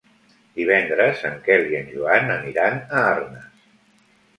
Divendres en Quel i en Joan aniran a Arnes.